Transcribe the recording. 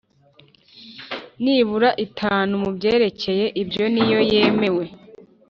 nibura itanu mu byerekeye ibyo niyo yemewe